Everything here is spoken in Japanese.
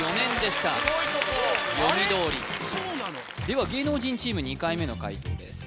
では芸能人チーム２回目の解答です